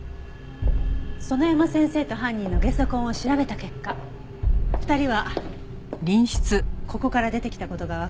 園山先生と犯人のゲソ痕を調べた結果２人はここから出てきた事がわかりました。